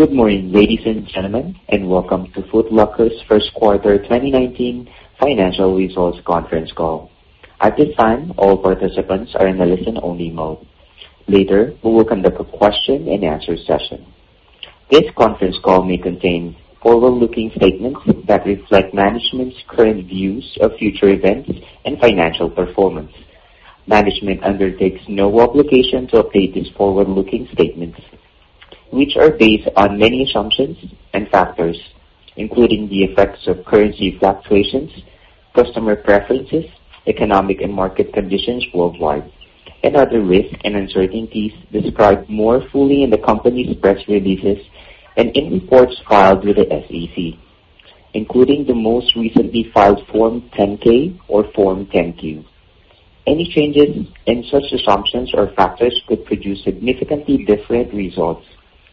Good morning, ladies and gentlemen. Welcome to Foot Locker's First Quarter 2019 Financial Results Conference Call. At this time, all participants are in a listen-only mode. Later, we will conduct a question-and-answer session. This conference call may contain forward-looking statements that reflect management's current views of future events and financial performance. Management undertakes no obligation to update these forward-looking statements, which are based on many assumptions and factors, including the effects of currency fluctuations, customer preferences, economic and market conditions worldwide, and other risks and uncertainties described more fully in the company's press releases and in reports filed with the SEC, including the most recently filed Form 10-K or Form 10-Q. Any changes in such assumptions or factors could produce significantly different results,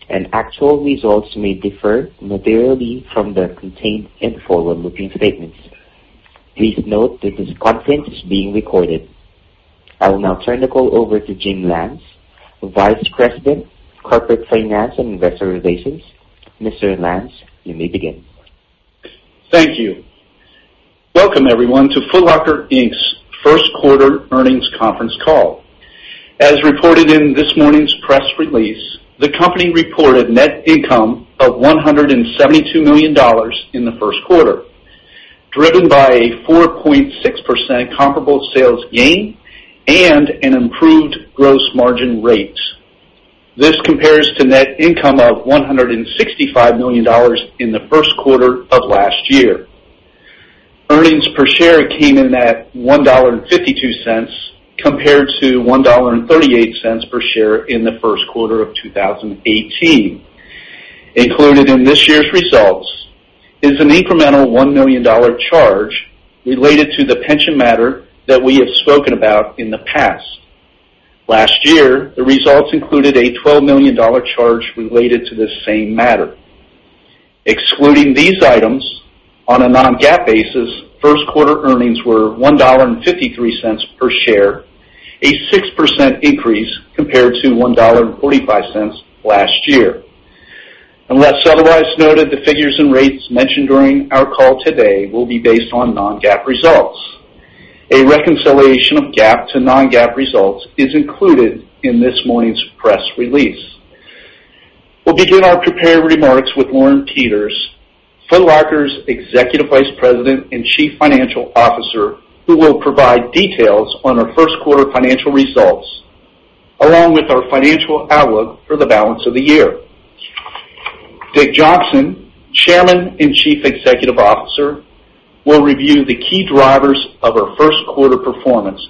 and actual results may differ materially from that contained in forward-looking statements. Please note that this conference is being recorded. I will now turn the call over to Jim Lance, Vice President of Corporate Finance and Investor Relations. Mr. Lance, you may begin. Thank you. Welcome, everyone, to Foot Locker, Inc.'s First Quarter Earnings Conference Call. As reported in this morning's press release, the company reported net income of $172 million in the first quarter, driven by a 4.6% comparable sales gain and an improved gross margin rate. This compares to net income of $165 million in the first quarter of last year. Earnings per share came in at $1.52 compared to $1.38 per share in the first quarter of 2018. Included in this year's results is an incremental $1 million charge related to the pension matter that we have spoken about in the past. Last year, the results included a $12 million charge related to this same matter. Excluding these items, on a non-GAAP basis, first-quarter earnings were $1.53 per share, a 6% increase compared to $1.45 last year. Unless otherwise noted, the figures and rates mentioned during our call today will be based on non-GAAP results. A reconciliation of GAAP to non-GAAP results is included in this morning's press release. We'll begin our prepared remarks with Lauren Peters, Foot Locker's Executive Vice President and Chief Financial Officer, who will provide details on our first quarter financial results, along with our financial outlook for the balance of the year. Richard Johnson, Chairman and Chief Executive Officer, will review the key drivers of our first quarter performance.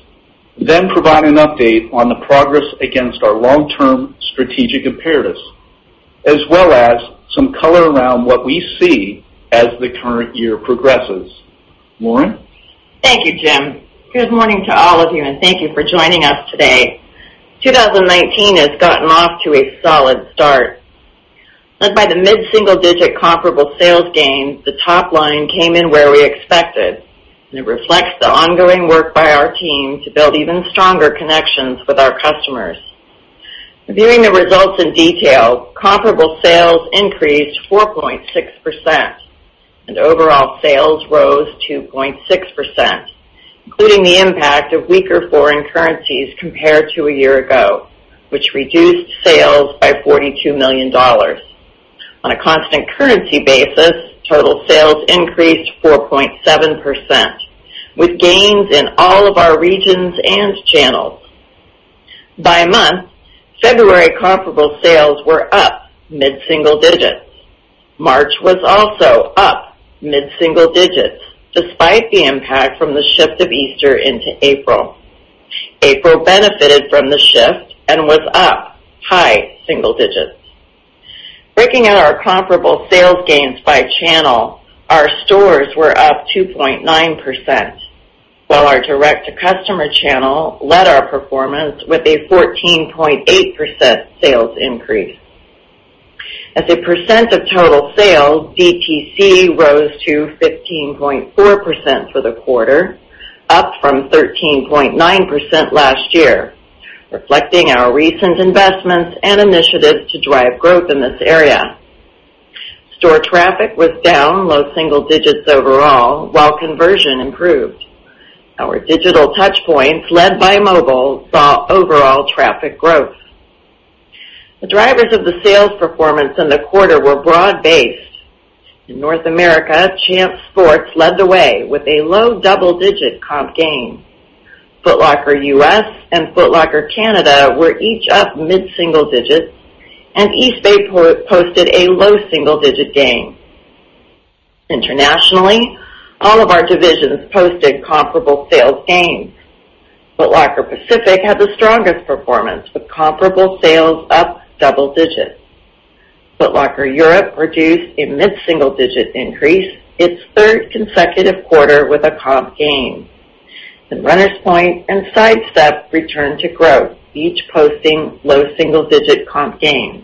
Provide an update on the progress against our long-term strategic imperatives, as well as some color around what we see as the current year progresses. Lauren? Thank you, Jim. Good morning to all of you, and thank you for joining us today. 2019 has gotten off to a solid start. Led by the mid-single-digit comparable sales gain, the top line came in where we expected, and it reflects the ongoing work by our team to build even stronger connections with our customers. Viewing the results in detail, comparable sales increased 4.6%, and overall sales rose 2.6%, including the impact of weaker foreign currencies compared to a year ago, which reduced sales by $42 million. On a constant currency basis, total sales increased 4.7%, with gains in all of our regions and channels. By month, February comparable sales were up mid-single digits. March was also up mid-single digits, despite the impact from the shift of Easter into April. April benefited from the shift and was up high single digits. Breaking out our comparable sales gains by channel, our stores were up 2.9%, while our direct-to-customer channel led our performance with a 14.8% sales increase. As a percent of total sales, DTC rose to 15.4% for the quarter, up from 13.9% last year, reflecting our recent investments and initiatives to drive growth in this area. Store traffic was down low single digits overall, while conversion improved. Our digital touchpoints, led by mobile, saw overall traffic growth. The drivers of the sales performance in the quarter were broad-based. In North America, Champs Sports led the way with a low double-digit comp gain. Foot Locker US and Foot Locker Canada were each up mid-single digits, and Eastbay posted a low single-digit gain. Internationally, all of our divisions posted comparable sales gains. Foot Locker Pacific had the strongest performance with comparable sales up double digits. Foot Locker Europe produced a mid-single-digit increase, its third consecutive quarter with a comp gain. Runners Point and Sidestep returned to growth, each posting low single-digit comp gains.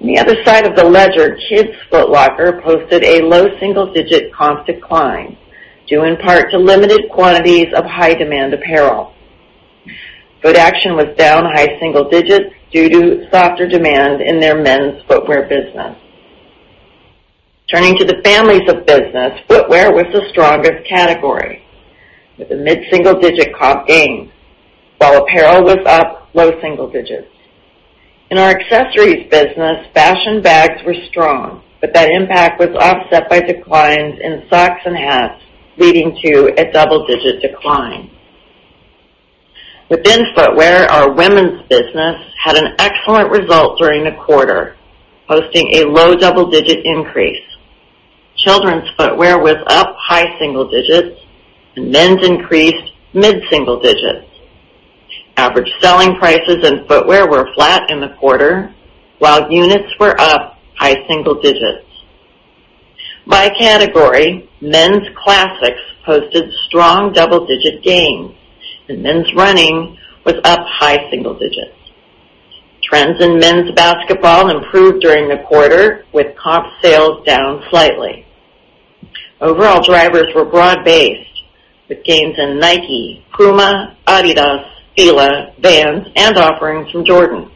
On the other side of the ledger, Kids Foot Locker posted a low single-digit comp decline, due in part to limited quantities of high-demand apparel. Footaction was down high single digits due to softer demand in their men's footwear business. Turning to the families of business, footwear was the strongest category with a mid-single-digit comp gain, while apparel was up low single digits. In our accessories business, fashion bags were strong, but that impact was offset by declines in socks and hats, leading to a double-digit decline. Within footwear, our women's business had an excellent result during the quarter, posting a low double-digit increase. Children's footwear was up high single digits, and men's increased mid-single digits. Average selling prices and footwear were flat in the quarter, while units were up high single digits. By category, men's classics posted strong double-digit gains, and men's running was up high single digits. Trends in men's basketball improved during the quarter, with comp sales down slightly. Overall drivers were broad-based, with gains in Nike, Puma, Adidas, Fila, Vans, and offerings from Jordan.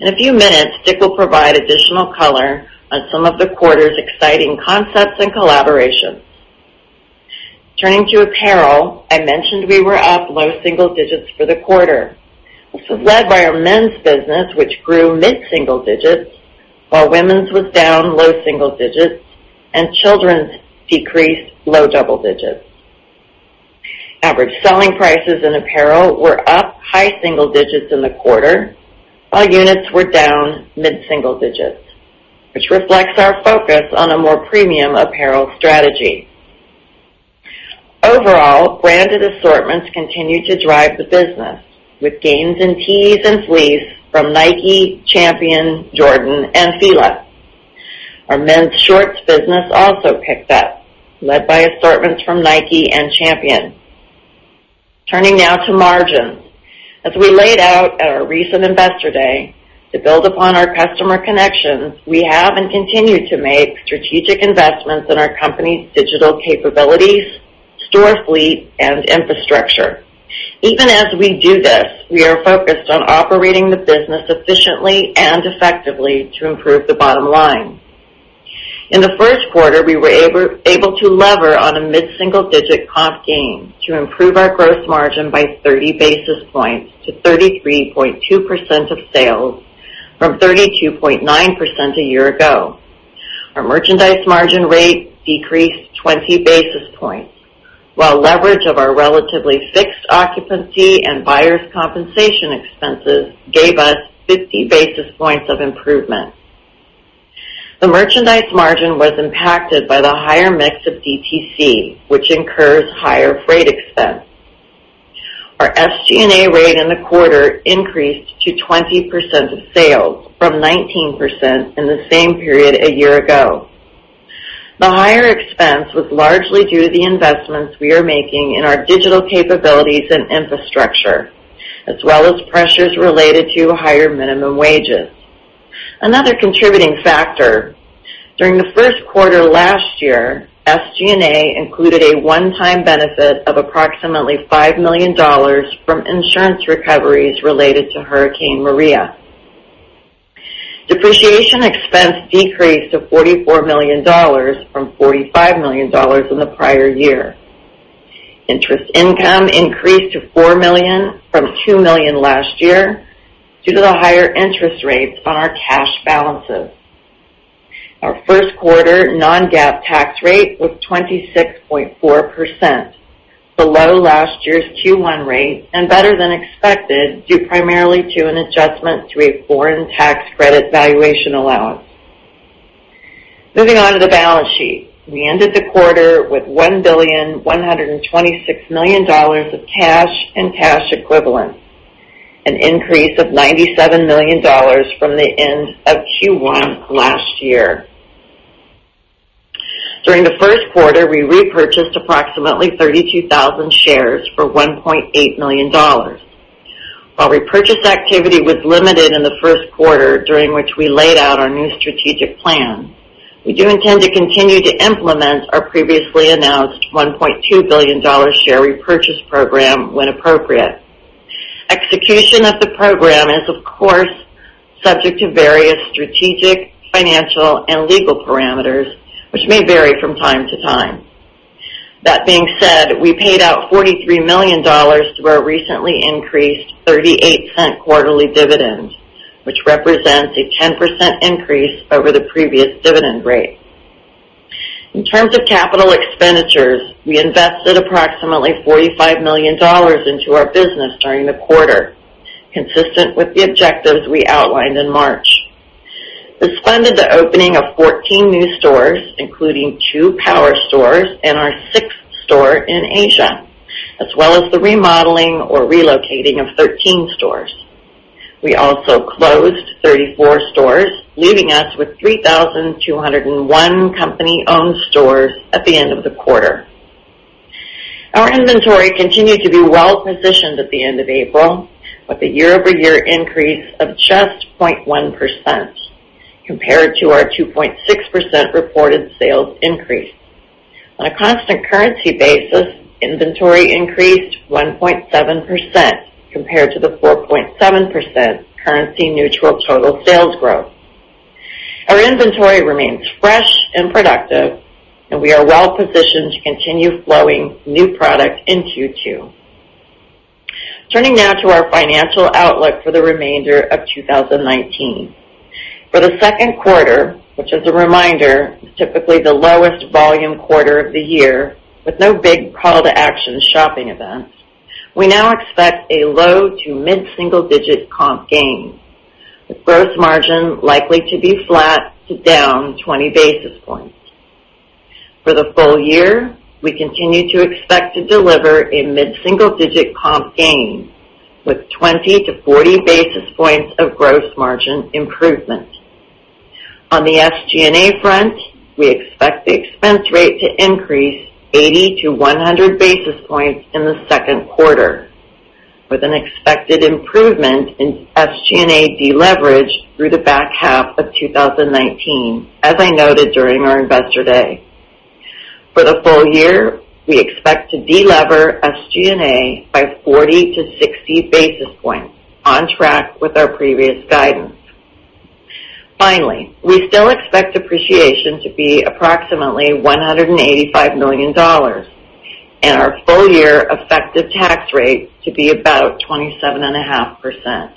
In a few minutes, Dick will provide additional color on some of the quarter's exciting concepts and collaborations. Turning to apparel, I mentioned we were up low single digits for the quarter. This was led by our men's business, which grew mid-single digits, while women's was down low single digits, and children's decreased low double digits. Average selling prices in apparel were up high single digits in the quarter, while units were down mid-single digits, which reflects our focus on a more premium apparel strategy. Overall, branded assortments continue to drive the business, with gains in tees and fleece from Nike, Champion, Jordan, and Fila. Our men's shorts business also picked up, led by assortments from Nike and Champion. Turning now to margins. As we laid out at our recent Investor Day, to build upon our customer connections, we have and continue to make strategic investments in our company's digital capabilities, store fleet, and infrastructure. Even as we do this, we are focused on operating the business efficiently and effectively to improve the bottom line. In the first quarter, we were able to lever on a mid-single-digit comp gain to improve our gross margin by 30 basis points to 33.2% of sales from 32.9% a year ago. Our merchandise margin rate decreased 20 basis points, while leverage of our relatively fixed occupancy and buyers compensation expenses gave us 50 basis points of improvement. The merchandise margin was impacted by the higher mix of DTC, which incurs higher freight expense. Our SG&A rate in the quarter increased to 20% of sales from 19% in the same period a year ago. The higher expense was largely due to the investments we are making in our digital capabilities and infrastructure, as well as pressures related to higher minimum wages. Another contributing factor, during the first quarter last year, SG&A included a one-time benefit of approximately $5 million from insurance recoveries related to Hurricane Maria. Depreciation expense decreased to $44 million from $45 million in the prior year. Interest income increased to $4 million from $2 million last year due to the higher interest rates on our cash balances. Our first quarter non-GAAP tax rate was 26.4%, below last year's Q1 rate and better than expected, due primarily to an adjustment to a foreign tax credit valuation allowance. Moving on to the balance sheet. We ended the quarter with $1,126 million of cash and cash equivalents, an increase of $97 million from the end of Q1 last year. During the first quarter, we repurchased approximately 32,000 shares for $1.8 million. While repurchase activity was limited in the first quarter, during which we laid out our new strategic plan, we do intend to continue to implement our previously announced $1.2 billion share repurchase program when appropriate. Execution of the program is, of course, subject to various strategic, financial, and legal parameters, which may vary from time to time. That being said, we paid out $43 million to our recently increased $0.38 quarterly dividend, which represents a 10% increase over the previous dividend rate. In terms of capital expenditures, we invested approximately $45 million into our business during the quarter, consistent with the objectives we outlined in March. This funded the opening of 14 new stores, including two Power Stores and our sixth store in Asia, as well as the remodeling or relocating of 13 stores. We also closed 34 stores, leaving us with 3,201 company-owned stores at the end of the quarter. Our inventory continued to be well positioned at the end of April with a year-over-year increase of just 0.1% compared to our 2.6% reported sales increase. On a constant currency basis, inventory increased 1.7% compared to the 4.7% currency-neutral total sales growth. Our inventory remains fresh and productive, and we are well-positioned to continue flowing new product in Q2. Turning now to our financial outlook for the remainder of 2019. For the second quarter, which, as a reminder, is typically the lowest volume quarter of the year with no big call to action shopping events, we now expect a low to mid-single-digit comp gain, with gross margin likely to be flat to down 20 basis points. For the full year, we continue to expect to deliver a mid-single-digit comp gain with 20 to 40 basis points of gross margin improvement. On the SG&A front, we expect the expense rate to increase 80 to 100 basis points in the second quarter, with an expected improvement in SG&A deleverage through the back half of 2019, as I noted during our Investor Day. For the full year, we expect to delever SG&A by 40 to 60 basis points, on track with our previous guidance. Finally, we still expect depreciation to be approximately $185 million and our full-year effective tax rate to be about 27.5%.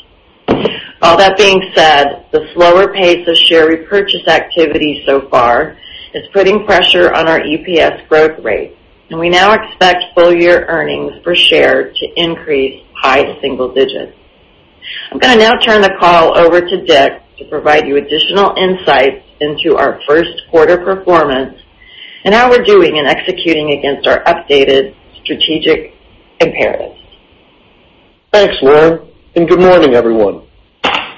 All that being said, the slower pace of share repurchase activity so far is putting pressure on our EPS growth rate, and we now expect full-year earnings per share to increase high single digits. I'm going to now turn the call over to Dick to provide you additional insights into our first quarter performance and how we're doing in executing against our updated strategic imperatives. Thanks, Lauren. Good morning, everyone.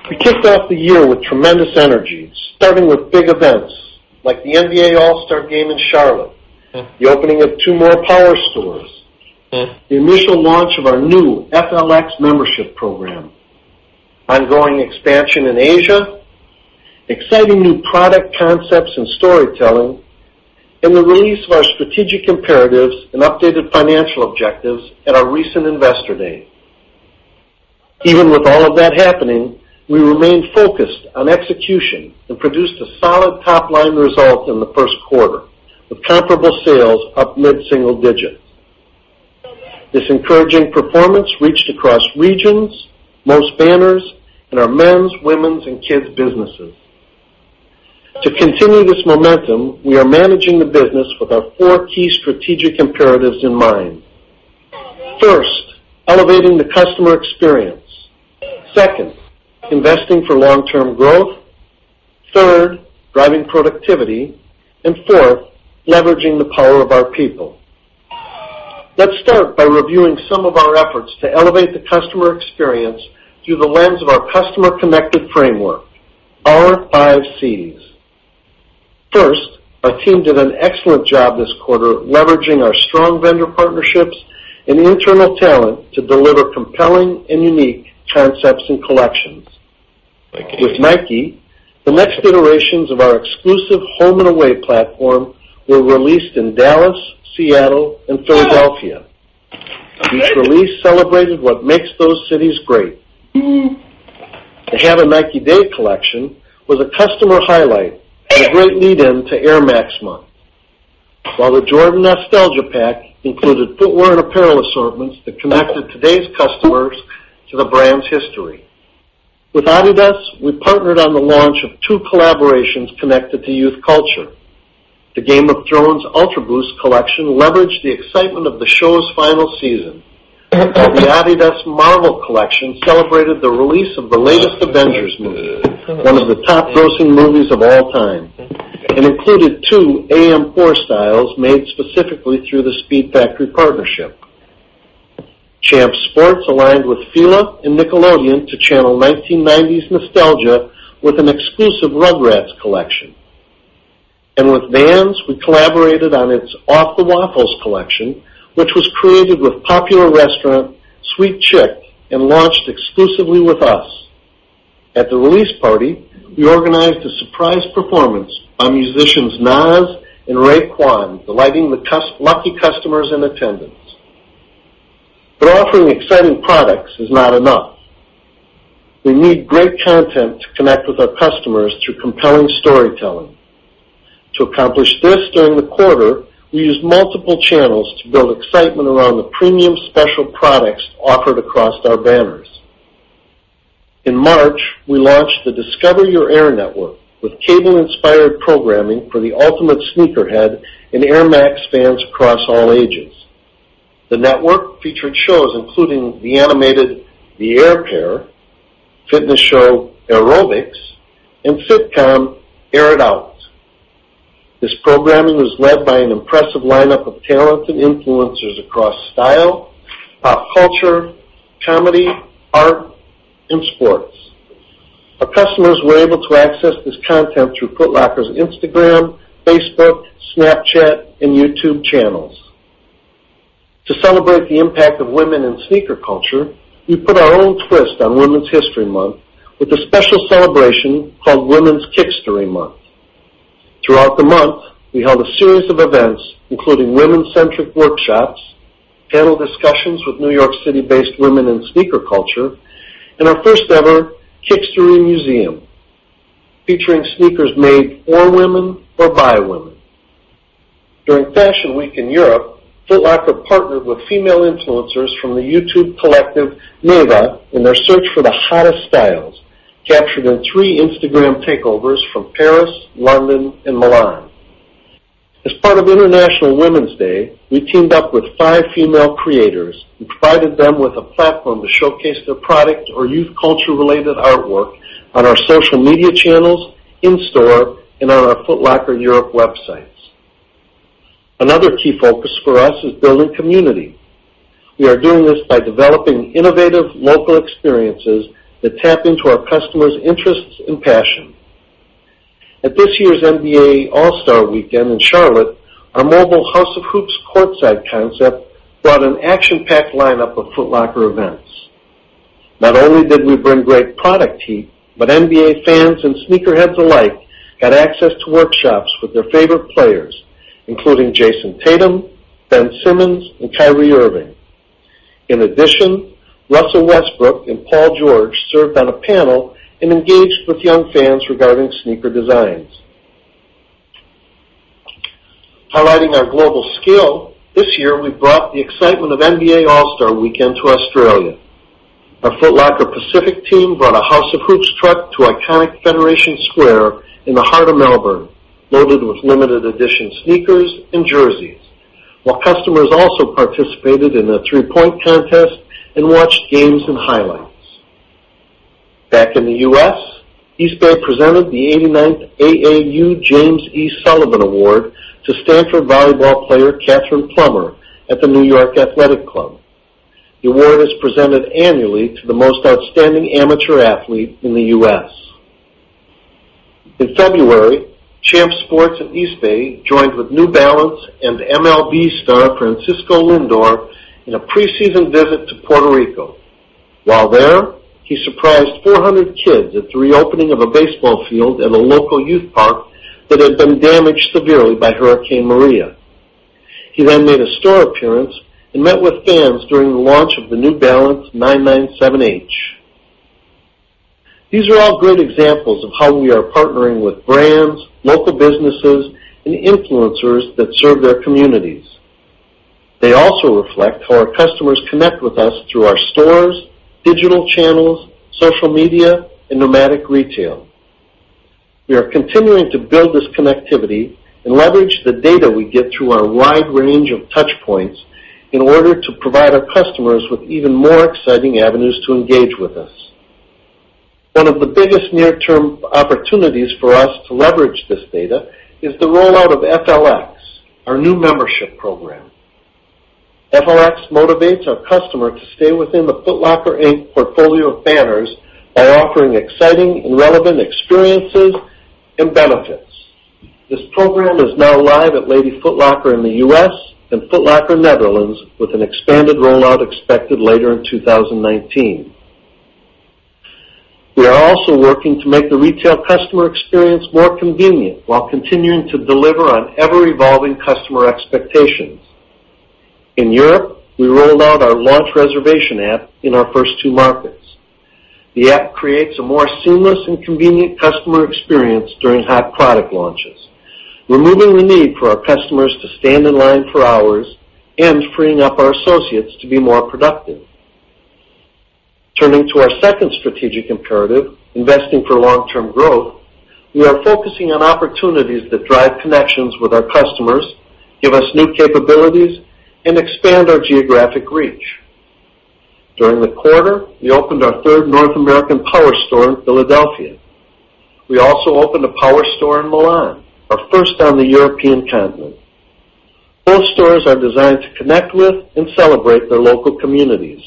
We kicked off the year with tremendous energy, starting with big events like the NBA All-Star Game in Charlotte, the opening of two more Power Stores, the initial launch of our new FLX membership program, ongoing expansion in Asia, exciting new product concepts and storytelling, the release of our strategic imperatives and updated financial objectives at our recent Investor Day. Even with all of that happening, we remained focused on execution and produced a solid top-line result in the first quarter, with comparable sales up mid-single digit. This encouraging performance reached across regions, most banners, and our men's, women's, and kids' businesses. To continue this momentum, we are managing the business with our four key strategic imperatives in mind. First, elevating the customer experience. Second, investing for long-term growth. Third, driving productivity. Fourth, leveraging the power of our people. Let's start by reviewing some of our efforts to elevate the customer experience through the lens of our customer-connected framework, our five Cs. First, our team did an excellent job this quarter leveraging our strong vendor partnerships and internal talent to deliver compelling and unique concepts and collections. With Nike, the next iterations of our exclusive Home and Away platform were released in Dallas, Seattle, and Philadelphia. Each release celebrated what makes those cities great. The Have a Nike Day collection was a customer highlight and a great lead-in to Air Max month. While the Jordan Nostalgia pack included footwear and apparel assortments that connected today's customers to the brand's history. With Adidas, we partnered on the launch of two collaborations connected to youth culture. The "Game of Thrones" Ultraboost collection leveraged the excitement of the show's final season. While the Adidas Marvel collection celebrated the release of the latest Avengers movie, one of the top-grossing movies of all time, and included two AM4 styles made specifically through the Speedfactory partnership. Champs Sports aligned with Fila and Nickelodeon to channel 1990s nostalgia with an exclusive Rugrats collection. And with Vans, we collaborated on its Off The Waffle collection, which was created with popular restaurant Sweet Chick and launched exclusively with us. At the release party, we organized a surprise performance by musicians Nas and Raekwon, delighting the lucky customers in attendance. Offering exciting products is not enough. We need great content to connect with our customers through compelling storytelling. To accomplish this during the quarter, we used multiple channels to build excitement around the premium special products offered across our banners. In March, we launched the Discover Your Air network with cable-inspired programming for the ultimate sneakerhead and Air Max fans across all ages. The network featured shows including the animated "The Air Pair," fitness show "Airobics," and sitcom "Air It Out." This programming was led by an impressive lineup of talent and influencers across style, pop culture, comedy, art, and sports. Our customers were able to access this content through Foot Locker's Instagram, Facebook, Snapchat, and YouTube channels. To celebrate the impact of women in sneaker culture, we put our own twist on Women's History Month with a special celebration called Women's Kickstory Month. Throughout the month, we held a series of events, including women-centric workshops, panel discussions with New York City-based women in sneaker culture, and our first ever Kickstory Museum, featuring sneakers made for women or by women. During Fashion Week in Europe, Foot Locker partnered with female influencers from the YouTube collective NEVAH in their search for the hottest styles, captured in three Instagram takeovers from Paris, London, and Milan. As part of International Women's Day, we teamed up with five female creators and provided them with a platform to showcase their product or youth culture-related artwork on our social media channels, in-store, and on our Foot Locker Europe websites. Another key focus for us is building community. We are doing this by developing innovative local experiences that tap into our customers' interests and passion. At this year's NBA All-Star Weekend in Charlotte, our mobile House of Hoops courtside concept brought an action-packed lineup of Foot Locker events. Not only did we bring great product heat, but NBA fans and sneakerheads alike had access to workshops with their favorite players, including Jayson Tatum, Ben Simmons, and Kyrie Irving. In addition, Russell Westbrook and Paul George served on a panel and engaged with young fans regarding sneaker designs. Highlighting our global scale, this year, we brought the excitement of NBA All-Star Weekend to Australia. Our Foot Locker Pacific team brought a House of Hoops truck to iconic Federation Square in the heart of Melbourne, loaded with limited edition sneakers and jerseys, while customers also participated in a three-point contest and watched games and highlights. Back in the U.S., Eastbay presented the 89th AAU James E. Sullivan Award to Stanford volleyball player Kathryn Plummer at the New York Athletic Club. The award is presented annually to the most outstanding amateur athlete in the U.S. In February, Champs Sports and Eastbay joined with New Balance and MLB star Francisco Lindor in a preseason visit to Puerto Rico. While there, he surprised 400 kids at the reopening of a baseball field at a local youth park that had been damaged severely by Hurricane Maria. He then made a store appearance and met with fans during the launch of the New Balance 997H. These are all great examples of how we are partnering with brands, local businesses, and influencers that serve their communities. They also reflect how our customers connect with us through our stores, digital channels, social media, and nomadic retail. We are continuing to build this connectivity and leverage the data we get through our wide range of touch points in order to provide our customers with even more exciting avenues to engage with us. One of the biggest near-term opportunities for us to leverage this data is the rollout of FLX, our new membership program. FLX motivates our customer to stay within the Foot Locker, Inc. portfolio of banners by offering exciting and relevant experiences and benefits. This program is now live at Lady Foot Locker in the U.S. and Foot Locker Netherlands, with an expanded rollout expected later in 2019. We are also working to make the retail customer experience more convenient while continuing to deliver on ever-evolving customer expectations. In Europe, we rolled out our launch reservation app in our first two markets. The app creates a more seamless and convenient customer experience during hot product launches, removing the need for our customers to stand in line for hours and freeing up our associates to be more productive. Turning to our second strategic imperative, investing for long-term growth, we are focusing on opportunities that drive connections with our customers, give us new capabilities, and expand our geographic reach. During the quarter, we opened our third North American Power Store in Philadelphia. We also opened a Power Store in Milan, our first on the European continent. Both stores are designed to connect with and celebrate their local communities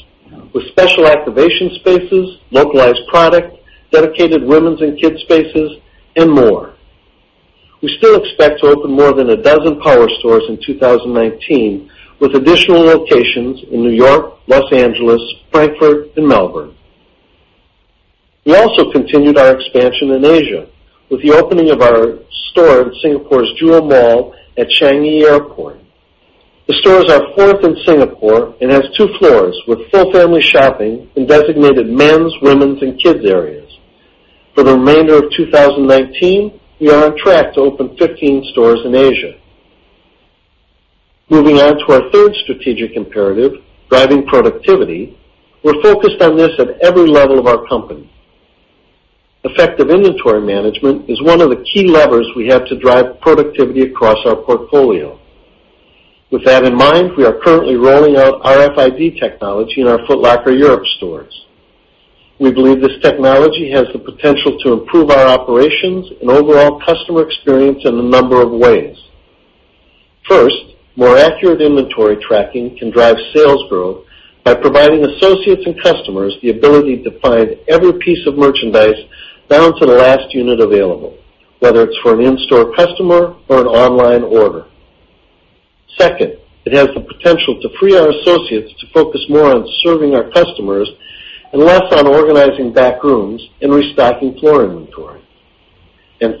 with special activation spaces, localized product, dedicated women's and kids' spaces, and more. We still expect to open more than a dozen Power Stores in 2019, with additional locations in N.Y., L.A., Frankfurt, and Melbourne. We also continued our expansion in Asia with the opening of our store in Singapore's Jewel Changi mall at Changi Airport. The store is our fourth in Singapore and has two floors with full family shopping in designated men's, women's, and kids' areas. For the remainder of 2019, we are on track to open 15 stores in Asia. Moving on to our third strategic imperative, driving productivity, we're focused on this at every level of our company. Effective inventory management is one of the key levers we have to drive productivity across our portfolio. With that in mind, we are currently rolling out RFID technology in our Foot Locker Europe stores. We believe this technology has the potential to improve our operations and overall customer experience in a number of ways. First, more accurate inventory tracking can drive sales growth by providing associates and customers the ability to find every piece of merchandise down to the last unit available. Whether it's for an in-store customer or an online order. Second, it has the potential to free our associates to focus more on serving our customers and less on organizing back rooms and restocking floor inventory.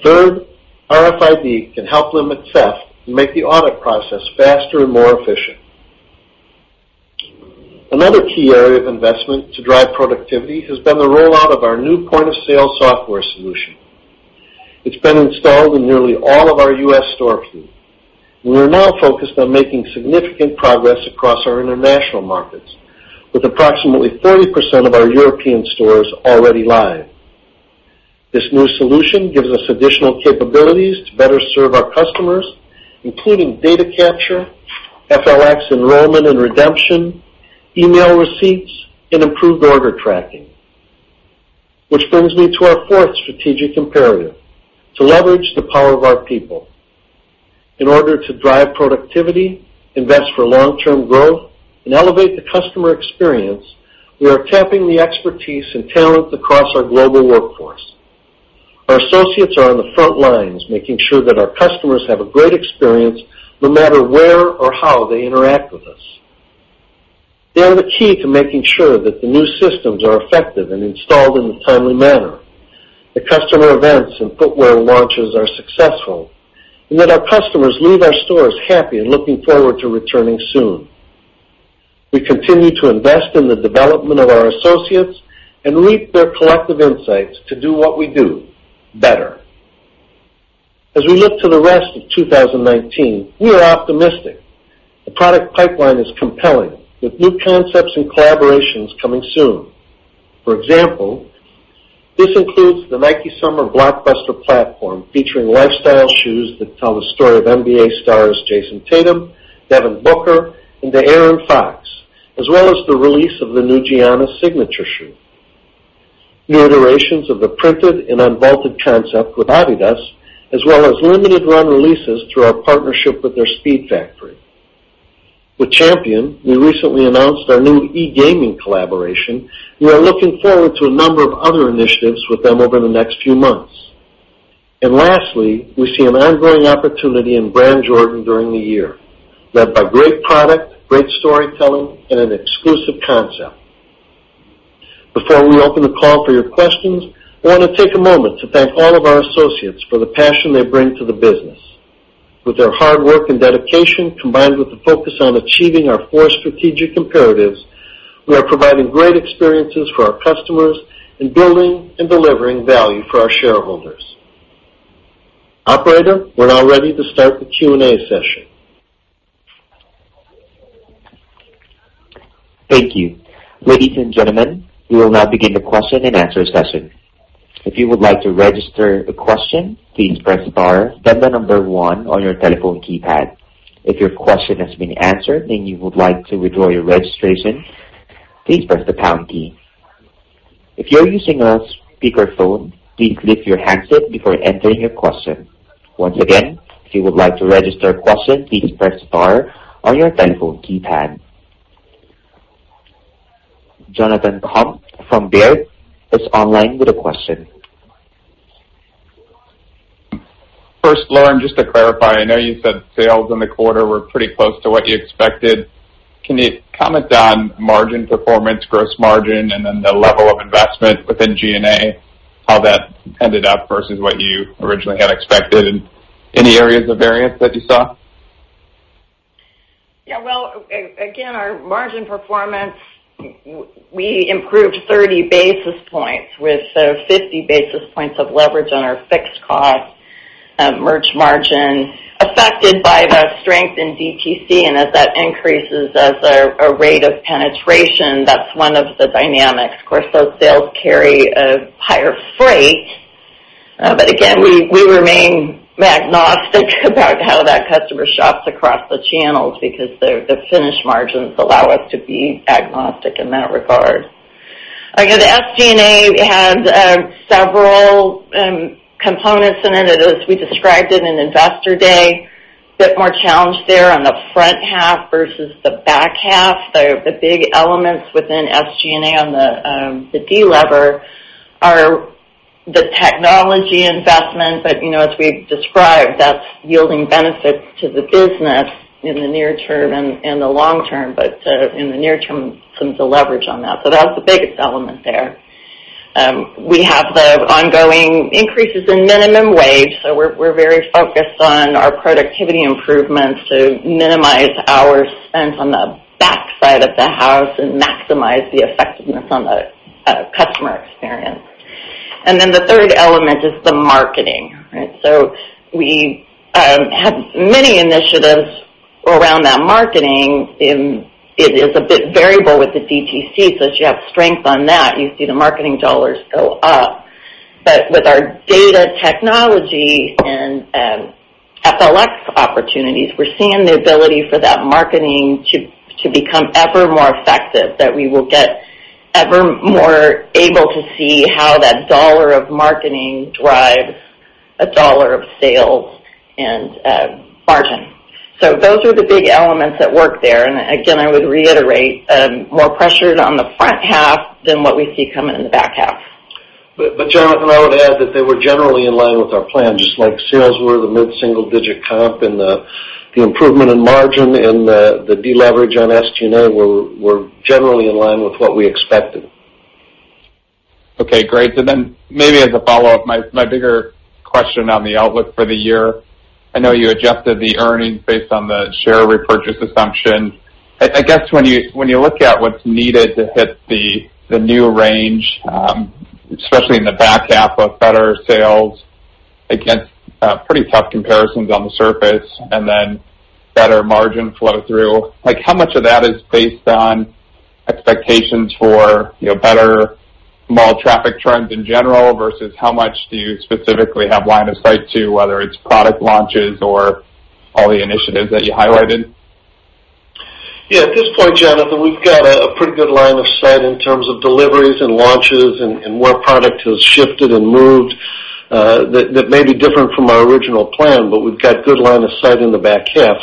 Third, RFID can help limit theft and make the audit process faster and more efficient. Another key area of investment to drive productivity has been the rollout of our new point-of-sale software solution. It's been installed in nearly all of our U.S. stores. We're now focused on making significant progress across our international markets, with approximately 30% of our European stores already live. This new solution gives us additional capabilities to better serve our customers, including data capture, FLX enrollment and redemption, email receipts, and improved order tracking. Which brings me to our fourth strategic imperative, to leverage the power of our people. In order to drive productivity, invest for long-term growth, and elevate the customer experience, we are tapping the expertise and talent across our global workforce. Our associates are on the front lines, making sure that our customers have a great experience no matter where or how they interact with us. They are the key to making sure that the new systems are effective and installed in a timely manner, that customer events and footwear launches are successful, and that our customers leave our stores happy and looking forward to returning soon. We continue to invest in the development of our associates and reap their collective insights to do what we do better. As we look to the rest of 2019, we are optimistic. The product pipeline is compelling, with new concepts and collaborations coming soon. For example, this includes the Nike Summer blockbuster platform featuring lifestyle shoes that tell the story of NBA stars Jayson Tatum, Devin Booker, and De'Aaron Fox, as well as the release of the new Giannis signature shoe. New iterations of the printed and UNVAULTED concept with Adidas, as well as limited run releases through our partnership with their Speedfactory. With Champion, we recently announced our new e-gaming collaboration. We are looking forward to a number of other initiatives with them over the next few months. Lastly, we see an ongoing opportunity in Brand Jordan during the year, led by great product, great storytelling, and an exclusive concept. Before we open the call for your questions, I want to take a moment to thank all of our associates for the passion they bring to the business. With their hard work and dedication, combined with the focus on achieving our four strategic imperatives, we are providing great experiences for our customers in building and delivering value for our shareholders. Operator, we're now ready to start the Q&A session. Thank you. Ladies and gentlemen, we will now begin the question and answer session. If you would like to register a question, please press star then the number 1 on your telephone keypad. If your question has been answered and you would like to withdraw your registration, please press the pound key. If you are using a speakerphone, please mute your handset before entering your question. Once again, if you would like to register a question, please press star on your telephone keypad. Jonathan Komp from Baird is online with a question. First, Lauren, just to clarify, I know you said sales in the quarter were pretty close to what you expected. Can you comment on margin performance, gross margin, and the level of investment within SG&A, how that ended up versus what you originally had expected? Any areas of variance that you saw? Our margin performance, we improved 30 basis points with 50 basis points of leverage on our fixed cost merch margin affected by the strength in DTC. As that increases as a rate of penetration, that's one of the dynamics. Of course, those sales carry a higher freight. We remain agnostic about how that customer shops across the channels because the finished margins allow us to be agnostic in that regard. The SG&A has several components in it, as we described it in Investor Day. A bit more challenge there on the front half versus the back half. The big elements within SG&A on the delever are the technology investment. As we described, that's yielding benefits to the business in the near term and the long term. In the near term, some of the leverage on that. That was the biggest element there. We have the ongoing increases in minimum wage. We're very focused on our productivity improvements to minimize our spend on the back side of the house and maximize the effectiveness on the customer experience. The third element is the marketing. We have many initiatives around that marketing. It is a bit variable with the DTC, so as you have strength on that, you see the marketing dollars go up. With our data technology and FLX opportunities, we're seeing the ability for that marketing to become ever more effective, that we will get ever more able to see how that dollar of marketing drives a dollar of sales and margin. Those are the big elements at work there. Again, I would reiterate, more pressured on the front half than what we see coming in the back half. Jonathan, I would add that they were generally in line with our plan, just like sales were the mid-single digit comp and the improvement in margin and the deleverage on SG&A were generally in line with what we expected. Okay, great. Maybe as a follow-up, my bigger question on the outlook for the year. I know you adjusted the earnings based on the share repurchase assumption. I guess when you look at what's needed to hit the new range, especially in the back half of better sales against pretty tough comparisons on the surface, then better margin flow through. How much of that is based on expectations for better mall traffic trends in general versus how much do you specifically have line of sight to, whether it's product launches or all the initiatives that you highlighted? At this point, Jonathan, we've got a pretty good line of sight in terms of deliveries and launches and where product has shifted and moved. That may be different from our original plan, but we've got good line of sight in the back half.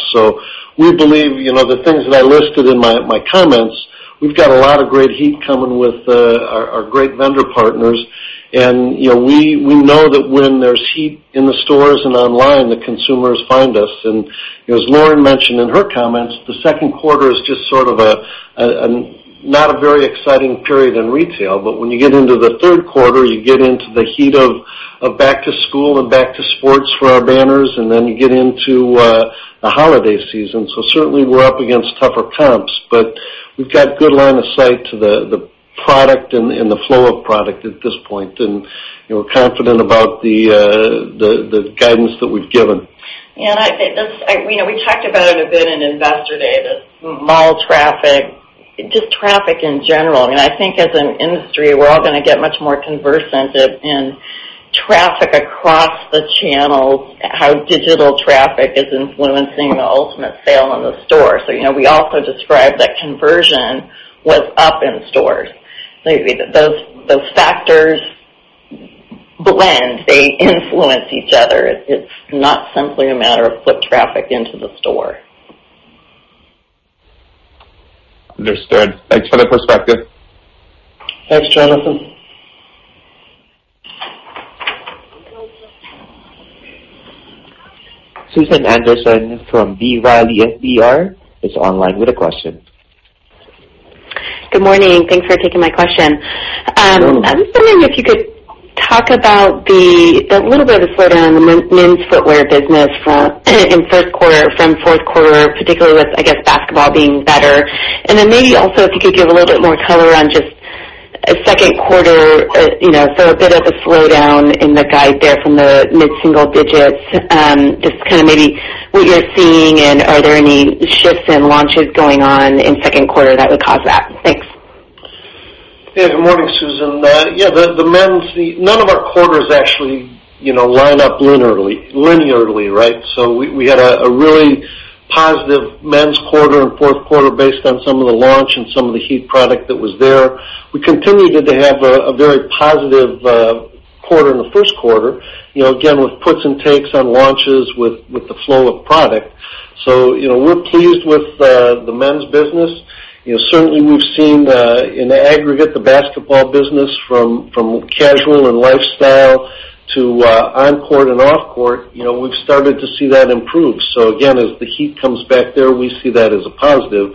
We believe the things that I listed in my comments, we've got a lot of great heat coming with our great vendor partners. We know that when there's heat in the stores and online, the consumers find us. As Lauren mentioned in her comments, the second quarter is just sort of not a very exciting period in retail. When you get into the third quarter, you get into the heat of back to school and back to sports for our banners, then you get into the holiday season. Certainly, we're up against tougher comps. We've got good line of sight to the product and the flow of product at this point, and we're confident about the guidance that we've given. We talked about it a bit in Investor Day, this mall traffic, just traffic in general. I think as an industry, we're all going to get much more conversant in traffic across the channels, how digital traffic is influencing the ultimate sale in the store. We also described that conversion was up in stores. Those factors blend, they influence each other. It's not simply a matter of foot traffic into the store. Understood. Thanks for the perspective. Thanks, Jonathan. Susan Anderson from B. Riley FBR is online with a question. Good morning. Thanks for taking my question. You're welcome. I was wondering if you could talk about the little bit of a slowdown in the men's footwear business in first quarter from fourth quarter, particularly with, I guess, basketball being better. Then maybe also if you could give a little bit more color on just second quarter, a bit of a slowdown in the guide there from the mid-single digits. Kind of maybe what you're seeing and are there any shifts in launches going on in second quarter that would cause that? Thanks. Good morning, Susan. None of our quarters actually line up linearly, right? We had a really positive men's quarter in fourth quarter based on some of the launch and some of the heat product that was there. We continued to have a very positive quarter in the first quarter, again, with puts and takes on launches with the flow of product. We're pleased with the men's business. Certainly, we've seen, in aggregate, the basketball business from casual and lifestyle to on-court and off-court. We've started to see that improve. As the heat comes back there, we see that as a positive.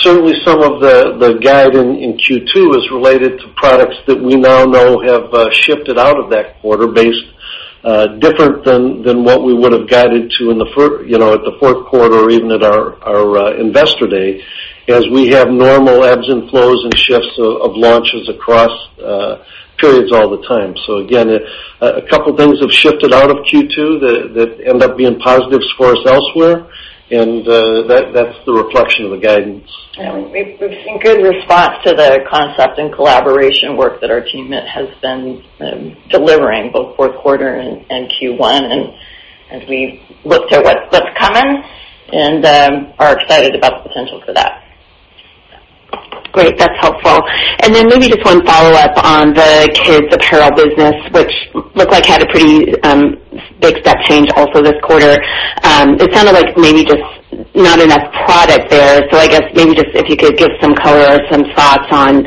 Certainly, some of the guide in Q2 is related to products that we now know have shifted out of that quarter based different than what we would have guided to at the fourth quarter or even at our Investor Day, as we have normal ebbs and flows and shifts of launches across periods all the time. A couple of things have shifted out of Q2 that end up being positives for us elsewhere, and that's the reflection of the guidance. We've seen good response to the concept and collaboration work that our team has been delivering, both fourth quarter and Q1. As we look to what's coming and are excited about the potential for that. Great. That's helpful. Maybe just one follow-up on the kids apparel business, which looked like had a pretty big step change also this quarter. It sounded like maybe just not enough product there. I guess maybe just if you could give some color or some thoughts on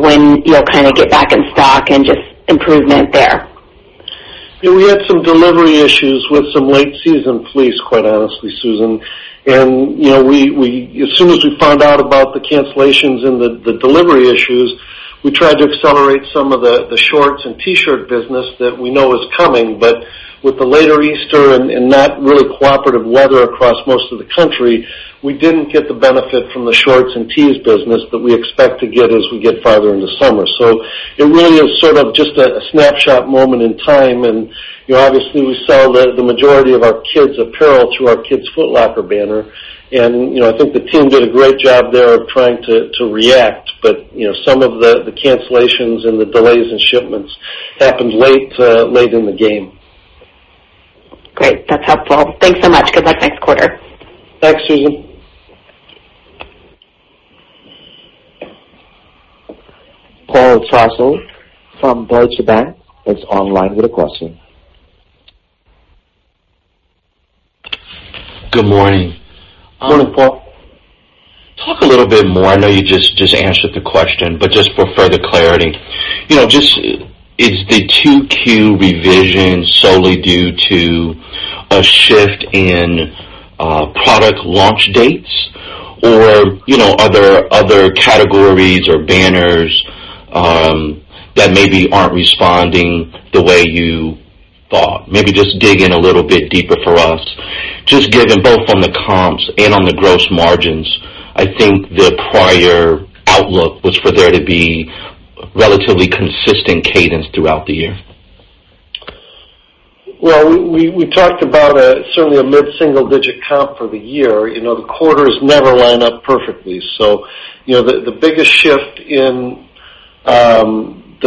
when you'll kind of get back in stock and just improvement there. Yeah. We had some delivery issues with some late season fleets, quite honestly, Susan. As soon as we found out about the cancellations and the delivery issues, we tried to accelerate some of the shorts and T-shirt business that we know is coming. With the later Easter and not really cooperative weather across most of the country, we didn't get the benefit from the shorts and tees business that we expect to get as we get farther into summer. It really is sort of just a snapshot moment in time. Obviously, we sell the majority of our kids apparel through our Kids Foot Locker banner. I think the team did a great job there of trying to react. Some of the cancellations and the delays in shipments happened late in the game. Great. That's helpful. Thanks so much. Good luck next quarter. Thanks, Susan. Paul Trussell from Deutsche Bank is online with a question. Good morning. Morning, Paul. Talk a little bit more, I know you just answered the question, but just for further clarity. Is the 2Q revision solely due to a shift in product launch dates or other categories or banners that maybe aren't responding the way you thought? Maybe just dig in a little bit deeper for us. Just given both on the comps and on the gross margins, I think the prior outlook was for there to be relatively consistent cadence throughout the year. Well, we talked about certainly a mid-single-digit comp for the year. The quarters never line up perfectly. The biggest shift in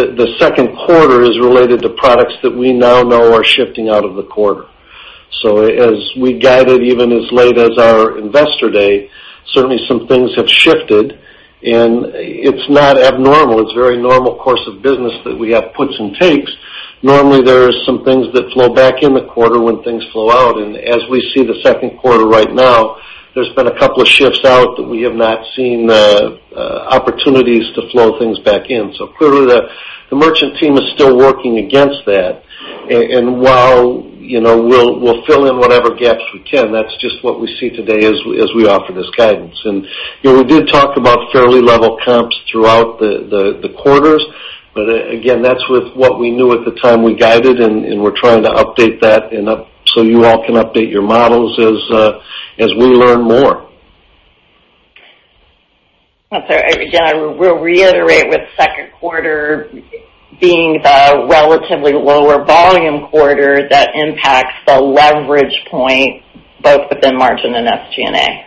the second quarter is related to products that we now know are shifting out of the quarter. As we guided, even as late as our investor day, certainly some things have shifted, and it's not abnormal. It's a very normal course of business that we have puts and takes. Normally, there are some things that flow back in the quarter when things flow out. As we see the second quarter right now, there's been a couple of shifts out that we have not seen opportunities to flow things back in. Clearly, the merchant team is still working against that. While we'll fill in whatever gaps we can, that's just what we see today as we offer this guidance. We did talk about fairly level comps throughout the quarters. That's with what we knew at the time we guided, and we're trying to update that so you all can update your models as we learn more. I'm sorry. We'll reiterate with second quarter being the relatively lower volume quarter that impacts the leverage point both within margin and SG&A.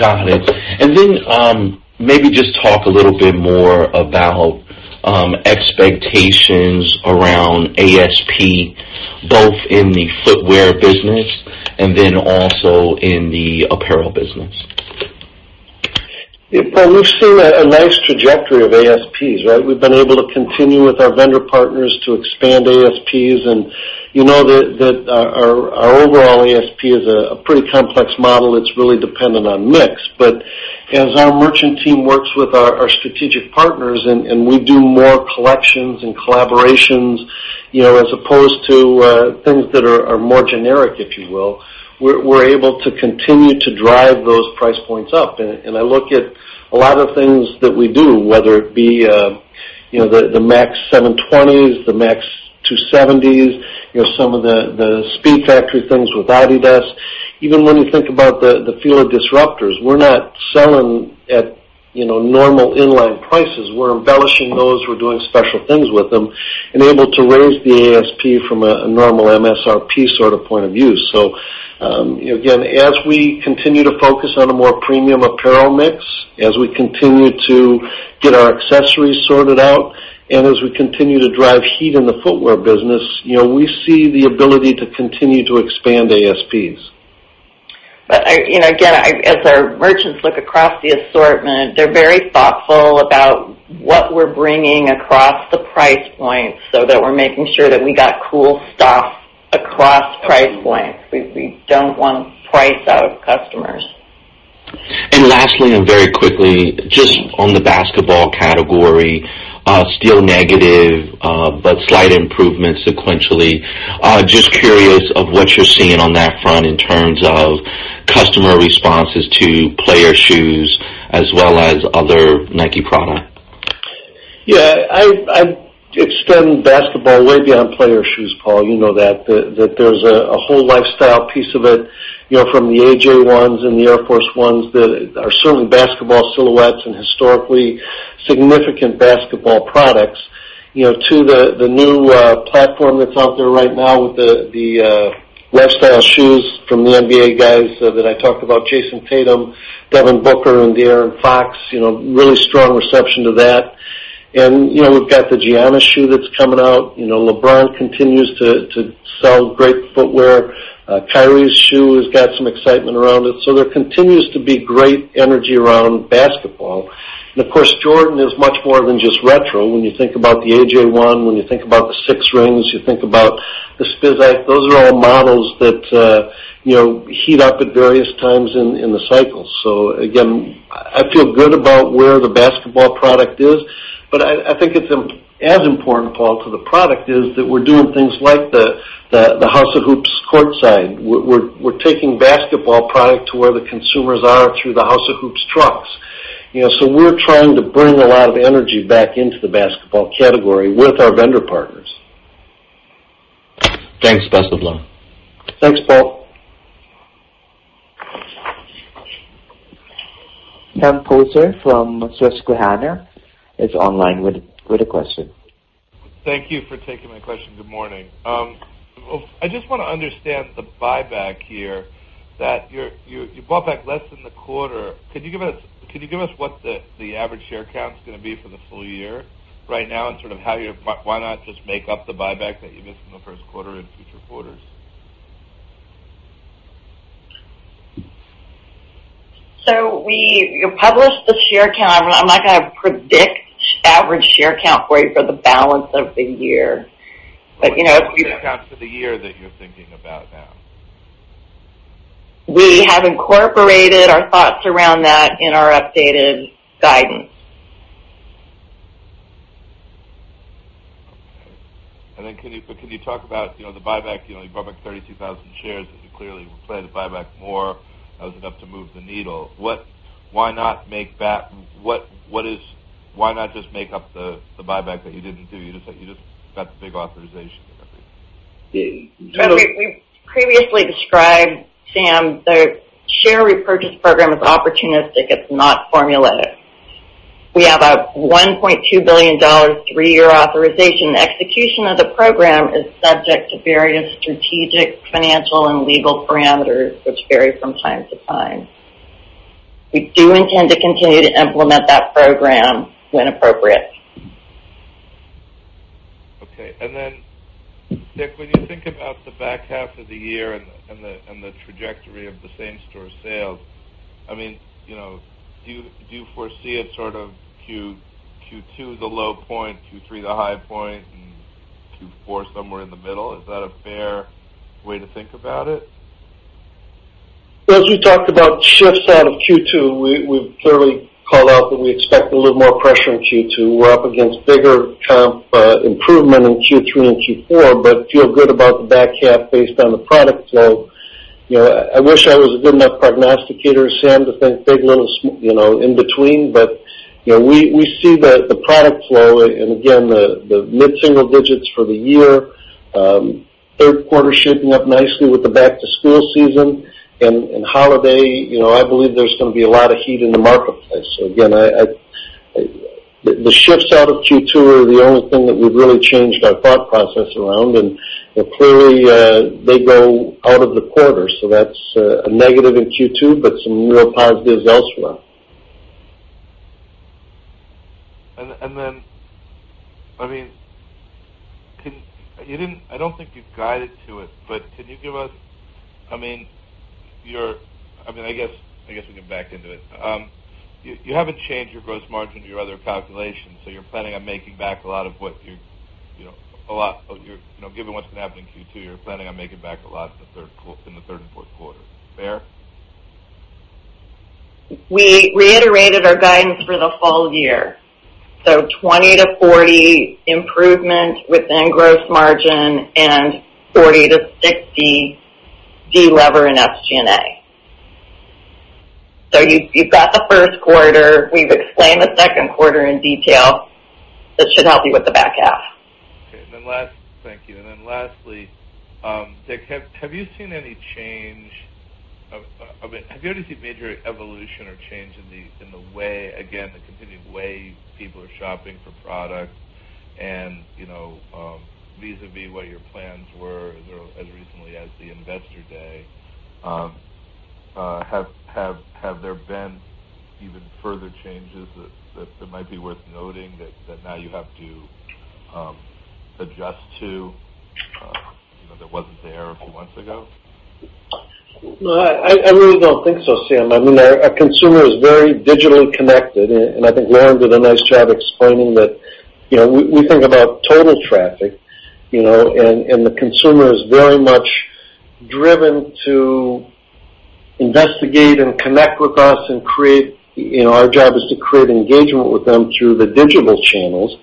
Got it. Maybe just talk a little bit more about expectations around ASP, both in the footwear business and also in the apparel business. Yeah. Paul, we've seen a nice trajectory of ASPs. We've been able to continue with our vendor partners to expand ASPs, and you know that our overall ASP is a pretty complex model. It's really dependent on mix. As our merchant team works with our strategic partners and we do more collections and collaborations as opposed to things that are more generic, if you will, we're able to continue to drive those price points up. I look at a lot of things that we do, whether it be the Max 720s, the Max 270s, some of the Speedfactory things with Adidas. Even when you think about the Fila Disruptors, we're not selling at normal in-line prices. We're embellishing those. We're doing special things with them and able to raise the ASP from a normal MSRP sort of point of view. Again, as we continue to focus on a more premium apparel mix, as we continue to get our accessories sorted out, and as we continue to drive heat in the footwear business, we see the ability to continue to expand ASPs. Again, as our merchants look across the assortment, they're very thoughtful about what we're bringing across the price points so that we're making sure that we got cool stuff across price points. We don't want to price out customers. Lastly, and very quickly, just on the basketball category, still negative, but slight improvement sequentially. Just curious of what you're seeing on that front in terms of customer responses to player shoes as well as other Nike product. Yeah. I extend basketball way beyond player shoes, Paul. You know that there's a whole lifestyle piece of it, from the AJ1s and the Air Force 1s that are certainly basketball silhouettes and historically significant basketball products, to the new platform that's out there right now with the lifestyle shoes from the NBA guys that I talked about, Jayson Tatum, Devin Booker, and De'Aaron Fox. Really strong reception to that. We've got the Giannis shoe that's coming out. LeBron continues to sell great footwear. Kyrie's shoe has got some excitement around it. There continues to be great energy around basketball. Of course, Jordan is much more than just retro. When you think about the AJ1, when you think about the 6 Rings, you think about the Spizike, those are all models that heat up at various times in the cycle. Again, I feel good about where the basketball product is, but I think it's as important, Paul, to the product is that we're doing things like the House of Hoops court side. We're taking basketball product to where the consumers are through the House of Hoops trucks. We're trying to bring a lot of energy back into the basketball category with our vendor partners. Thanks. Best of luck. Thanks, Paul. Sam Poser from Susquehanna is online with a question. Thank you for taking my question. Good morning. I just want to understand the buyback here, that you bought back less than the quarter. Could you give us what the average share count's going to be for the full year right now, and sort of why not just make up the buyback that you missed in the first quarter in future quarters? We published the share count. I'm not going to predict average share count for you for the balance of the year. Share count for the year that you're thinking about now. We have incorporated our thoughts around that in our updated guidance. Can you talk about the buyback? You bought back 32,000 shares. You clearly plan to buy back more. That was enough to move the needle. Why not just make up the buyback that you didn't do? You just got the big authorization, I think. We previously described, Sam, the share repurchase program is opportunistic. It's not formulaic. We have a $1.2 billion, 3-year authorization. Execution of the program is subject to various strategic, financial, and legal parameters, which vary from time to time. We do intend to continue to implement that program when appropriate. Okay. Dick, when you think about the back half of the year and the trajectory of the same-store sales, do you foresee it sort of Q2 the low point, Q3 the high point, and Q4 somewhere in the middle? Is that a fair way to think about it? As we talked about shifts out of Q2, we've clearly called out that we expect a little more pressure in Q2. We're up against bigger comp improvement in Q3 and Q4, but feel good about the back half based on the product flow. I wish I was a good enough prognosticator, Sam, to think big, little, in between, but we see the product flow, and again, the mid-single digits for the year. Third quarter shaping up nicely with the back-to-school season and holiday. I believe there's going to be a lot of heat in the marketplace. Again, the shifts out of Q2 are the only thing that we've really changed our thought process around, and clearly, they go out of the quarter. That's a negative in Q2, but some more positives elsewhere. I don't think you've guided to it, but can you give us. I guess we can back into it. You haven't changed your gross margin to your other calculations, given what's going to happen in Q2, you're planning on making back a lot in the third and fourth quarter. Fair? We reiterated our guidance for the full year. 20-40 improvement within gross margin and 40-60 de-lever in SG&A. You've got the first quarter. We've explained the second quarter in detail. That should help you with the back half. Okay. Thank you. Lastly, Dick, have you ever seen major evolution or change in the way, again, the continued way people are shopping for product and vis-a-vis what your plans were as recently as the Investor Day? Have there been even further changes that might be worth noting that now you have to adjust to that wasn't there a few months ago? I really don't think so, Sam. Our consumer is very digitally connected, I think Lauren did a nice job explaining that we think about total traffic, the consumer is very much driven to investigate and connect with us and create. Our job is to create engagement with them through the digital channels.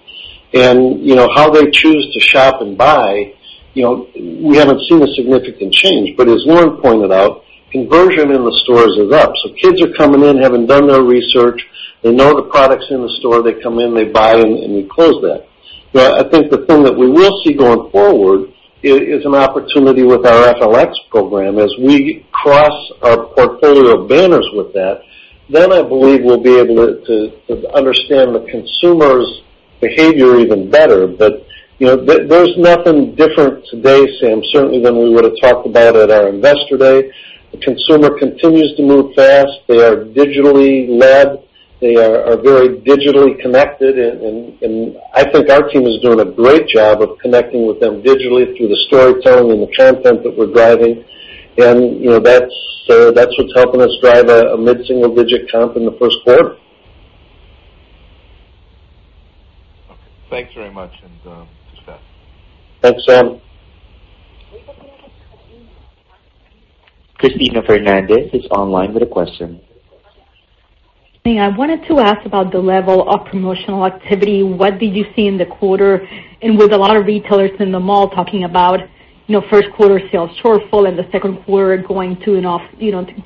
How they choose to shop and buy, we haven't seen a significant change. As Lauren pointed out, conversion in the stores is up. Kids are coming in, having done their research. They know the products in the store. They come in, they buy, and we close that. I think the thing that we will see going forward is an opportunity with our FLX program. We cross our portfolio of banners with that, I believe we'll be able to understand the consumer's behavior even better. There's nothing different today, Sam, certainly, than we would've talked about at our Investor Day. The consumer continues to move fast. They are digitally led. They are very digitally connected, and I think our team is doing a great job of connecting with them digitally through the storytelling and the content that we're driving. That's what's helping us drive a mid-single digit comp in the first quarter. Okay. Thanks very much. Discuss. Thanks, Sam. Cristina Fernandez is online with a question. Hey, I wanted to ask about the level of promotional activity. What did you see in the quarter? With a lot of retailers in the mall talking about first quarter sales shortfall and the second quarter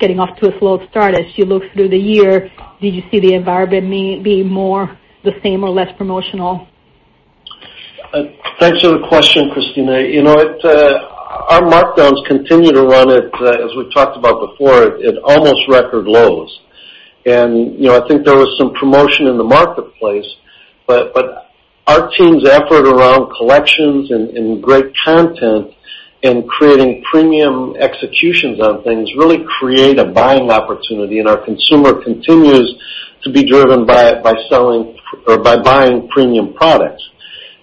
getting off to a slow start. As you look through the year, did you see the environment being more the same or less promotional? Thanks for the question, Cristina. Our markdowns continue to run at, as we've talked about before, at almost record lows. I think there was some promotion in the marketplace. Our team's effort around collections and great content and creating premium executions on things really create a buying opportunity, and our consumer continues to be driven by it, by buying premium products.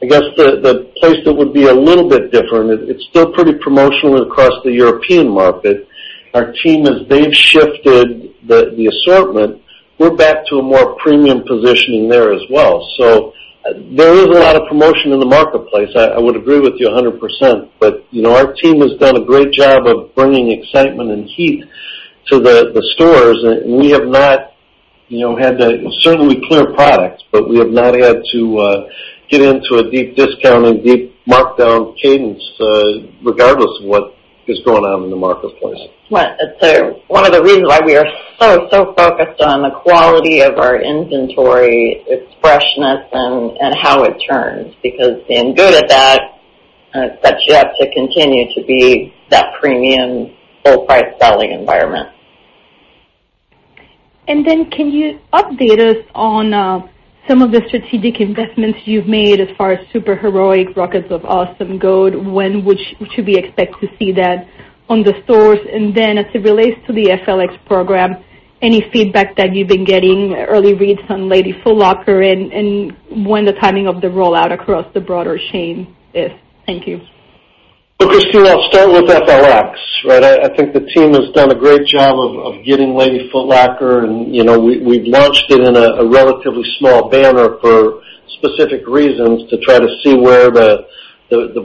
I guess the place that would be a little bit different, it's still pretty promotional across the European market. Our team, as they've shifted the assortment, we're back to a more premium positioning there as well. There is a lot of promotion in the marketplace. I would agree with you 100%, but our team has done a great job of bringing excitement and heat to the stores, and we have not had to certainly clear products, but we have not had to get into a deep discount and deep markdown cadence, regardless of what is going on in the marketplace. Right. One of the reasons why we are so focused on the quality of our inventory, its freshness, and how it turns, because being good at that sets you up to continue to be that premium full-price selling environment. Can you update us on some of the strategic investments you've made as far as Superheroic, Rockets of Awesome go? When should we expect to see that on the stores? As it relates to the FLX program, any feedback that you've been getting, early reads on Lady Foot Locker and when the timing of the rollout across the broader chain is? Thank you. Cristina, I'll start with FLX. I think the team has done a great job of getting Lady Foot Locker, and we've launched it in a relatively small banner for specific reasons to try to see where the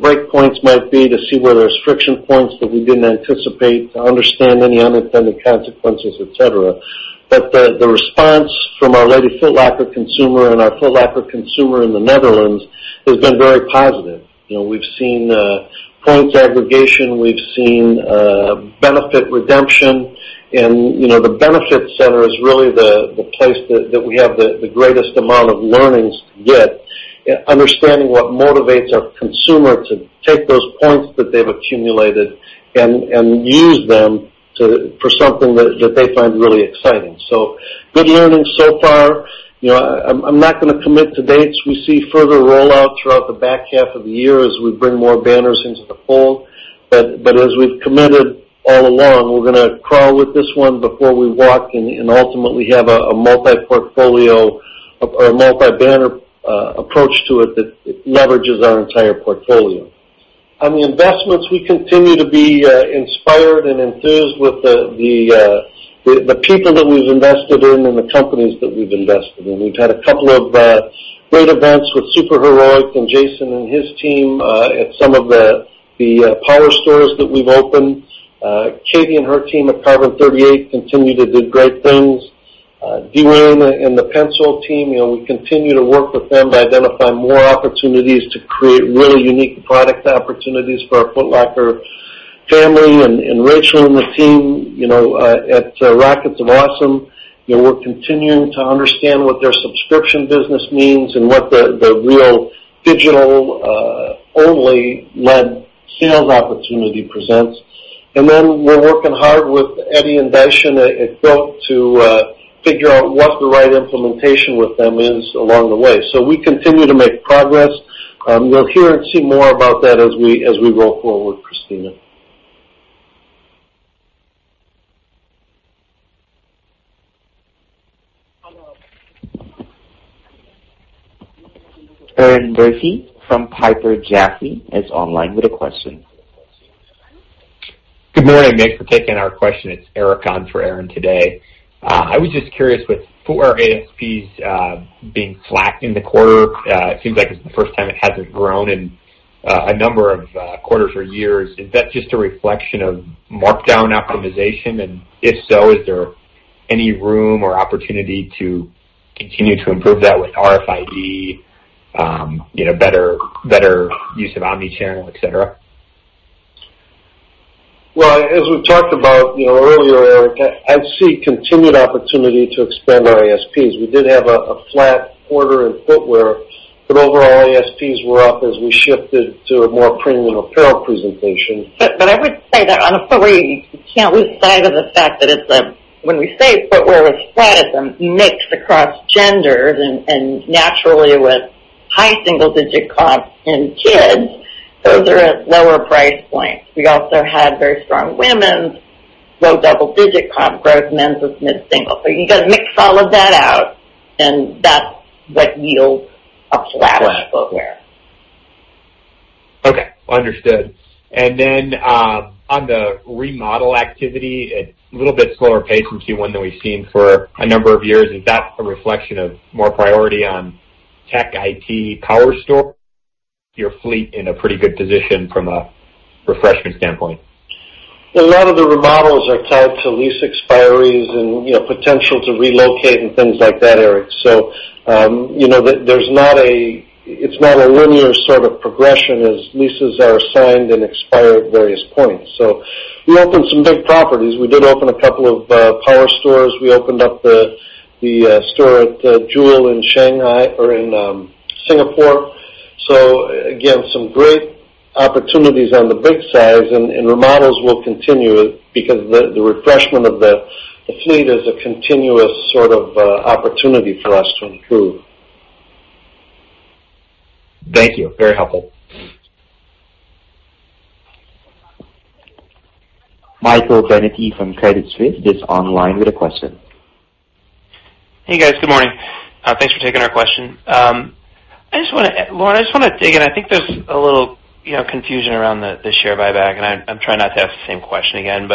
break points might be, to see where there's friction points that we didn't anticipate, to understand any unintended consequences, et cetera. The response from our Lady Foot Locker consumer and our Foot Locker consumer in the Netherlands has been very positive. We've seen points aggregation, we've seen benefit redemption, and the benefit center is really the place that we have the greatest amount of learnings to get, understanding what motivates our consumer to take those points that they've accumulated and use them for something that they find really exciting. Good learnings so far. I'm not going to commit to dates. We see further rollout throughout the back half of the year as we bring more banners into the fold. As we've committed all along, we're going to crawl with this one before we walk and ultimately have a multi-portfolio or a multi-banner approach to it that leverages our entire portfolio. On the investments, we continue to be inspired and enthused with the people that we've invested in and the companies that we've invested in. We've had a couple of great events with Superheroic and Jason and his team at some of the Power Stores that we've opened. Katie and her team at Carbon38 continue to do great things. Dwayne and the Penshoppe team, we continue to work with them to identify more opportunities to create really unique product opportunities for our Foot Locker family. Rachel and the team at Rockets of Awesome, we're continuing to understand what their subscription business means and what the real digital-only led sales opportunity presents. We're working hard with Eddy and Daishin at GOAT to figure out what the right implementation with them is along the way. We continue to make progress. You'll hear and see more about that as we roll forward, Cristina. Erinn Murphy from Piper Jaffray is online with a question. Good morning. Thanks for taking our question. It's Eric on for Erinn today. I was just curious with footwear ASPs being flat in the quarter, it seems like it's the first time it hasn't grown in a number of quarters or years. Is that just a reflection of markdown optimization? If so, is there any room or opportunity to continue to improve that with RFID, better use of omnichannel, et cetera? Well, as we've talked about earlier, Eric, I see continued opportunity to expand our ASPs. We did have a flat quarter in footwear, overall ASPs were up as we shifted to a more premium apparel presentation. I would say that on footwear, you can't lose sight of the fact that when we say footwear was flat, it's a mix across genders, naturally with high single-digit comps in kids, those are at lower price points. We also had very strong women's, low double-digit comp growth. Men's was mid-single. You got to mix all of that out, that's what yields a flat in footwear. Okay. Understood. On the remodel activity, a little bit slower pace in Q1 than we've seen for a number of years. Is that a reflection of more priority on tech IT Power Stores, your fleet in a pretty good position from a refreshment standpoint? A lot of the remodels are tied to lease expiries and potential to relocate and things like that, Eric. It's not a linear sort of progression as leases are signed and expire at various points. We opened some big properties. We did open a couple of Power Stores. We opened up the store at Jewel in Singapore. Again, some great opportunities on the big size, and remodels will continue because the refreshment of the fleet is a continuous sort of opportunity for us to improve. Thank you. Very helpful. Michael Binetti from Credit Suisse is online with a question. Hey, guys. Good morning. Thanks for taking our question. Lauren, I just want to dig in. I think there's a little confusion around the share buyback. I'm trying not to ask the same question again.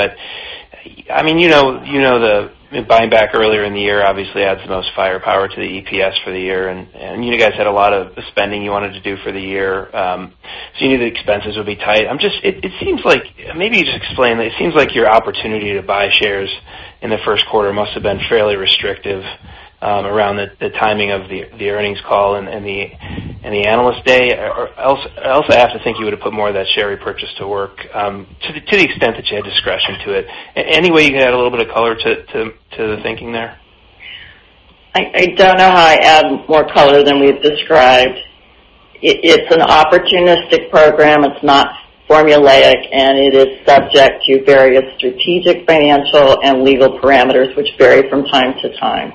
Buying back earlier in the year obviously adds the most firepower to the EPS for the year. You guys had a lot of spending you wanted to do for the year. You knew the expenses would be tight. Maybe just explain. It seems like your opportunity to buy shares in the first quarter must've been fairly restrictive around the timing of the earnings call and the Analyst Day. I also have to think you would've put more of that share repurchase to work to the extent that you had discretion to it. Any way you can add a little bit of color to the thinking there? I don't know how I add more color than we've described. It's an opportunistic program. It's not formulaic. It is subject to various strategic, financial, and legal parameters which vary from time to time.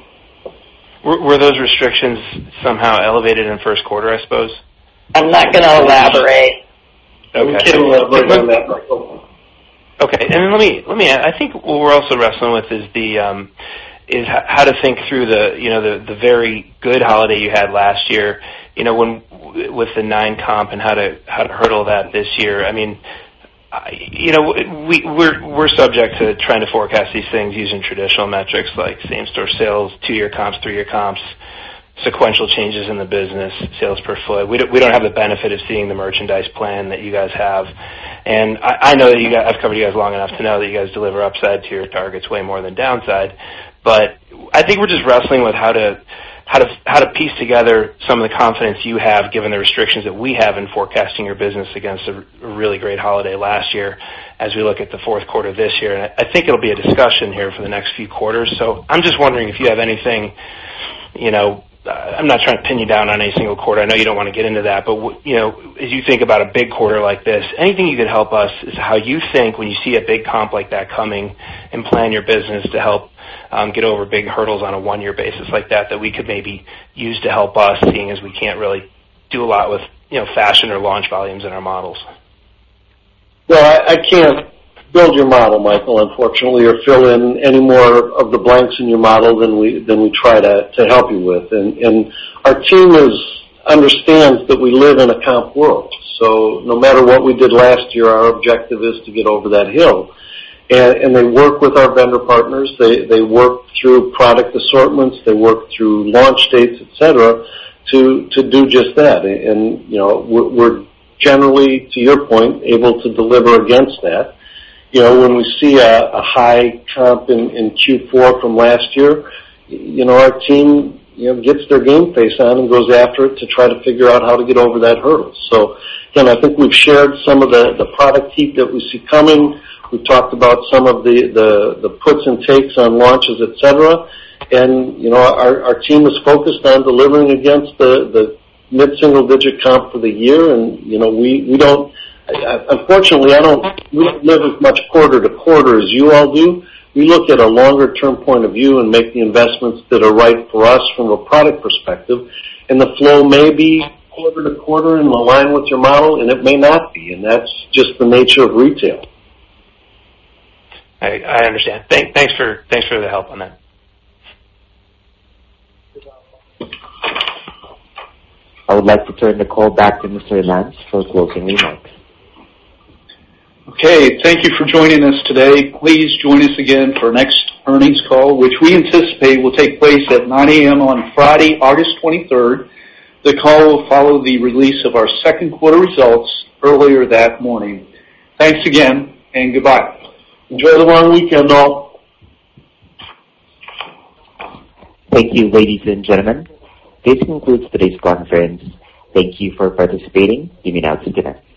Were those restrictions somehow elevated in the first quarter, I suppose? I'm not going to elaborate. We can't elaborate on that, Michael. Okay. Let me add, I think what we're also wrestling with is how to think through the very good holiday you had last year with the nine comp and how to hurdle that this year. We're subject to trying to forecast these things using traditional metrics like same-store sales, two-year comps, three-year comps, sequential changes in the business, sales per foot. I've covered you guys long enough to know that you guys deliver upside to your targets way more than downside. I think we're just wrestling with how to piece together some of the confidence you have, given the restrictions that we have in forecasting your business against a really great holiday last year as we look at the fourth quarter this year. I think it'll be a discussion here for the next few quarters. I'm just wondering if you have anything. I'm not trying to pin you down on any single quarter. I know you don't want to get into that. As you think about a big quarter like this, anything you can help us is how you think when you see a big comp like that coming and plan your business to help get over big hurdles on a one-year basis like that we could maybe use to help us, seeing as we can't really do a lot with fashion or launch volumes in our models. Well, I can't build your model, Michael, unfortunately, or fill in any more of the blanks in your model than we try to help you with. Our team understands that we live in a comp world. No matter what we did last year, our objective is to get over that hill. They work with our vendor partners, they work through product assortments, they work through launch dates, et cetera, to do just that. We're generally, to your point, able to deliver against that. When we see a high comp in Q4 from last year, our team gets their game face on and goes after it to try to figure out how to get over that hurdle. Again, I think we've shared some of the product heat that we see coming. We've talked about some of the puts and takes on launches, et cetera. Our team is focused on delivering against the mid-single-digit comp for the year. Unfortunately, we don't live as much quarter to quarter as you all do. We look at a longer-term point of view and make the investments that are right for us from a product perspective. The flow may be quarter to quarter and align with your model, and it may not be, and that's just the nature of retail. I understand. Thanks for the help on that. You're welcome. I would like to turn the call back to Mr. Lance for closing remarks. Okay. Thank you for joining us today. Please join us again for our next earnings call, which we anticipate will take place at 9:00 A.M. on Friday, August 23rd. The call will follow the release of our second-quarter results earlier that morning. Thanks again, and goodbye. Enjoy the long weekend, all. Thank you, ladies and gentlemen. This concludes today's conference. Thank you for participating. You may now disconnect.